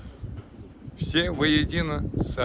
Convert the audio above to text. kita bersama dengan pasukan